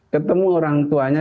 ketemu orang tuanya